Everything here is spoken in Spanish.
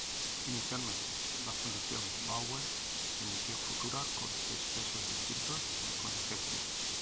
Inicialmente, la fundición Bauer emitió Futura con seis pesos distintos y con licencia.